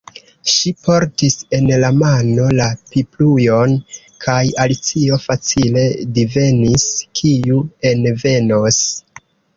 Ŝi portis en la mano la piprujon, kaj Alicio facile divenis kiu envenos.